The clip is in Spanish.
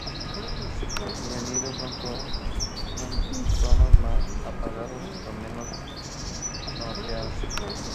Los juveniles son de tonos más apagados y con menos moteados.